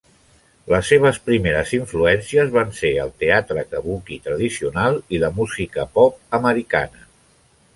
Les seves primeres influències van ser el teatre Kabuki tradicional i la música pop americana.